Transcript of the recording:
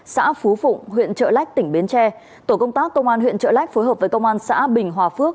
xã phú phụng huyện trợ lách tỉnh bến tre tổ công tác công an huyện trợ lách phối hợp với công an xã bình hòa phước